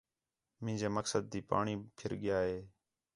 مینجے مقصد تی پاݨی پِھر ڳِیا ہِے